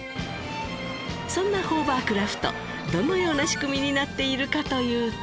そんなホーバークラフトどのような仕組みになっているかというと。